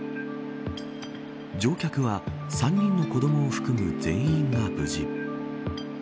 乗客は３人の子ども含む全員が無事。